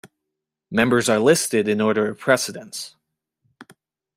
Members are listed in order of precedence.